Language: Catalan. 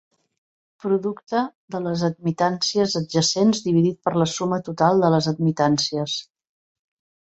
Producte de les admitàncies adjacents dividit per la suma total de les admitàncies.